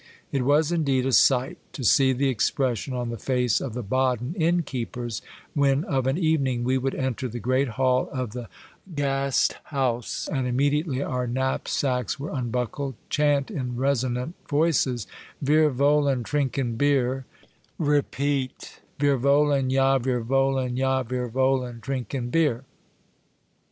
It was indeed a sight, to see the expression on the face of the Baden inn keepers, when of an evening we would enter the great hall of the Gasthaus, and immediately our knapsacks were unbuckled chant in resonant voices :—" Vir vollen trinken Bier (repeat), Vir vollen, ya, vir vollen, Ya! Vir vollen trinken Bier."